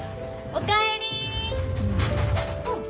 お帰り。